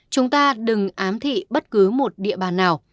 chúng ta đừng ám thị bất cứ một địa bàn nào